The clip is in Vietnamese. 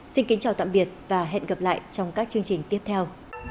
xin kính chào tạm biệt và hẹn gặp lại trong các chương trình tiếp theo